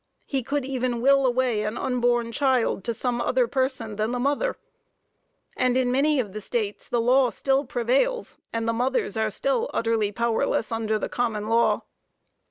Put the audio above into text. He could even will away an unborn child, to some other person than the mother. And in many of the states the law still prevails, and the mothers are still utterly powerless under the common law.